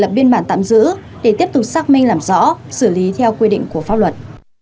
lập biên bản tạm giữ để tiếp tục xác minh làm rõ xử lý theo quy định của pháp luật